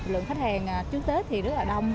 lượng khách hàng trước tết thì rất là đông